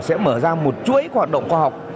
sẽ mở ra một chuỗi hoạt động khoa học